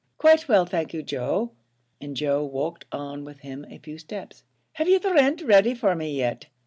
"Quite well thank you, Joe," and Joe walked on with him a few steps. "Have you the rint ready for me yet?"